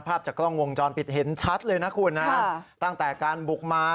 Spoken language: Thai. ภาพจากกล้องวงจรปิดเห็นชัดเลยนะคุณนะตั้งแต่การบุกมา